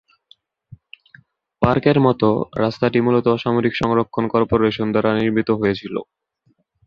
পার্কের মতো, রাস্তাটি মূলত অসামরিক সংরক্ষণ কর্পোরেশন দ্বারা নির্মিত হয়েছিল।